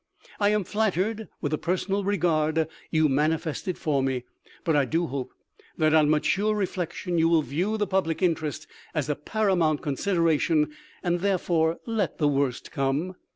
I am flattered with the personal regard you manifested for me ; but I do hope that on mature reflection you will view the public interest as a paramount consideration and therefore let the worst come.